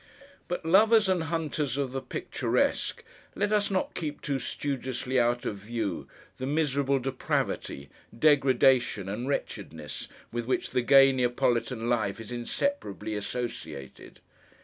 But, lovers and hunters of the picturesque, let us not keep too studiously out of view the miserable depravity, degradation, and wretchedness, with which this gay Neapolitan life is inseparably associated!